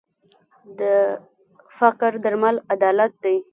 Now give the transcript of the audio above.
د فقر درمل عدالت دی.